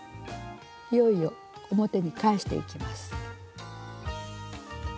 いよいよ表に返していきます。